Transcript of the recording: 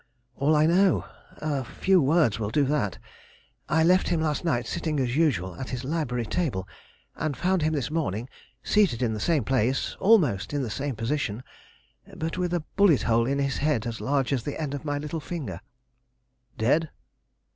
"All I know? A few words will do that. I left him last night sitting as usual at his library table, and found him this morning, seated in the same place, almost in the same position, but with a bullet hole in his head as large as the end of my little finger." "Dead?"